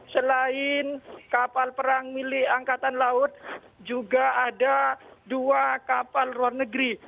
selain kapal perang milik angkatan laut juga ada dua kapal luar negeri